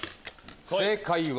正解は。